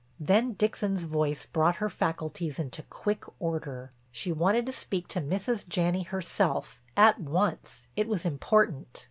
Then Dixon's voice brought her faculties into quick order. She wanted to speak to Mrs. Janney herself, at once, it was important.